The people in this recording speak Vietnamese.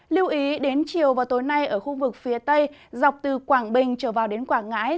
lưu ý đến chiều và tối nay ở khu vực phía tây dọc từ quảng bình trở vào đến quảng ngãi